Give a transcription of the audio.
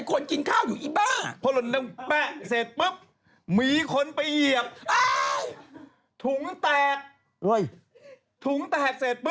พวกเขาพี่ข้าวโอ้ยมีคนกินข้าวอยู่อีบะ